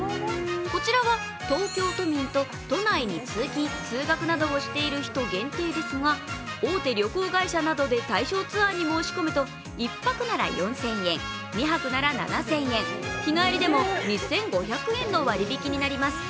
こちらは東京都民と都内に通勤・通学などをしている人限定ですが大手旅行会社などで対象ツアーに申し込むと１泊なら４０００円２泊なら７０００円、日帰りでも２５００円の割引きになります。